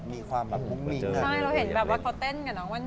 มีความมุ่งมิง